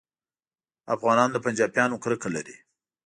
افغانان له پنجابیانو کرکه لري